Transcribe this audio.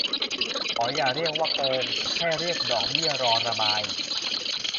ขออย่าเรียกว่าโกง ให้เรียกดอกเบี้ยรอระบาย